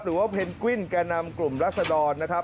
เพนกวิ้นแก่นำกลุ่มรัศดรนะครับ